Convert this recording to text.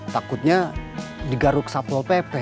takutnya digaruk saplol pepe